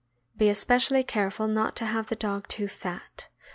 Be especially careful not to have the dog too fat.